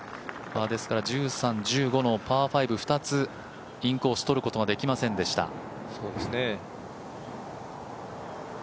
１３、１５のパー５、２つ取ることができませんでした。